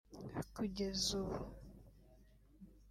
Kugeza ubu